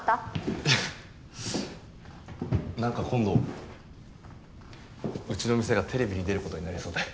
なんか今度うちの店がテレビに出る事になりそうで。